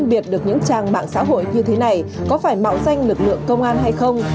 biết được những trang mạng xã hội như thế này có phải mạo danh lực lượng công an hay không